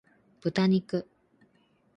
豚肉